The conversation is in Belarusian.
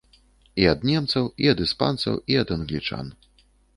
І ад немцаў, і ад іспанцаў, і ад англічан.